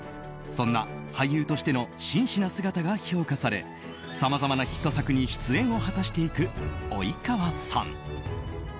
そんな俳優としての真摯な姿が評価されさまざまなヒット作に出演を果たしていく及川さん。